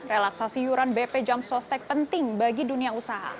relaksasi yuran bp jam sostek penting bagi dunia usaha